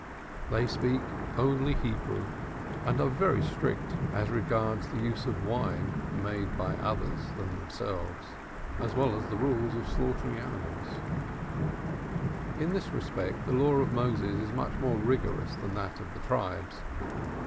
They speak only Hebrew, and are very strict as regards the use of wine made by others than themselves, as well as the rules of slaughtering animals; in this respect the Law of Moses is much more rigorous than that of the Tribes.